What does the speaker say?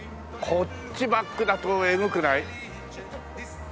こっちバックだとエグくない？